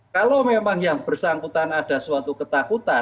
kalau memang yang bersangkutan ada suatu ketakutan